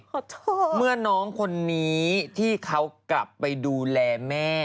ขอโทษเมื่อน้องคนนี้ที่เขากลับไปดูแลแม่